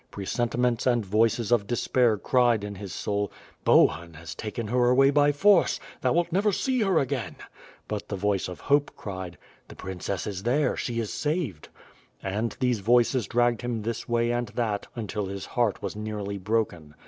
Presenti ments and voices of despair cried in his soul: *'Bohun has taken her away by force, thou wilt never see her again/' but the voice of hope cried: "The princess is there, she is saved/' and these voices dragged him this way and that, until his heart was nearly broken.